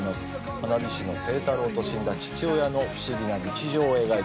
花火師の星太郎と死んだ父親の不思議な日常を描いたファンタジーです。